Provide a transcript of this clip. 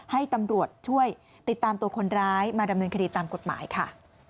ให้ตำรวจช่วยติดตามตัวคนร้ายมาดำเนินคดีตามกฎหมายค่ะ